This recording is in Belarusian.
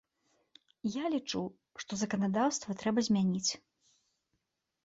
Я лічу, што заканадаўства трэба змяніць.